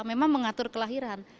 memang mengatur kelahiran